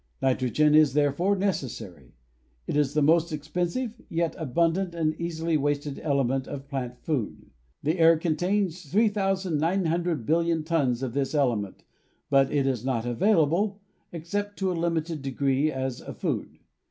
Nitrogen is, therefore, necessary; it is the most expensive, yet abundant and easily wasted, element of plant food. The air contains 3,900 billion tons of this ele ment, but it is not available, except to a limited degree, as a food.